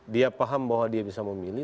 dia paham bahwa dia bisa memilih